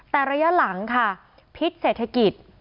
แต่ระยะหลังค่ะพิษเศรษฐกิจ